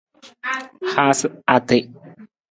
Haasa ati.